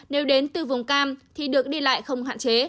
nếu đến từ vùng cam thì được đi lại không hạn chế